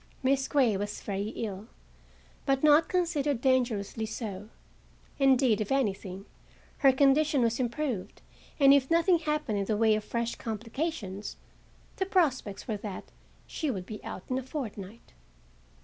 Miss Grey was very ill, but not considered dangerously so; indeed, if anything, her condition was improved, and if nothing happened in the way of fresh complications, the prospects were that she would be out in a fortnight.